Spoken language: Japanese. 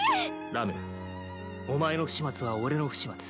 ラムお前の不始末は俺の不始末